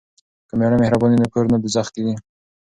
که میړه مهربان وي نو کور نه دوزخ کیږي.